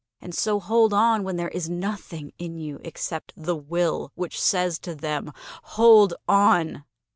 And so hold on when there is nothing in you Except the Will which says to them: 'Hold on!'